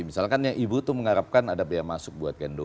misalkan yang ibu tuh mengharapkan ada biaya masuk buat gendo